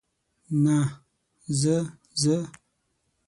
نه، زه، زه.